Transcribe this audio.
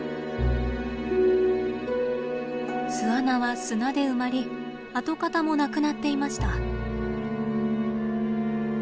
巣穴は砂で埋まり跡形もなくなっていました。